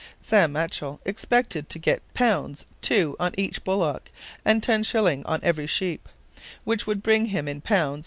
Sam Machell expected to get pounds 2 on each bullock, and 10s. on every sheep, which would bring him in pounds 3,750.